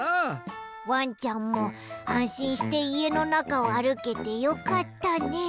わんちゃんもあんしんしていえのなかをあるけてよかったね。